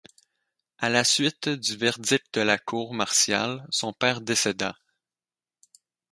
À la suite du verdict de la cour martiale son père décéda.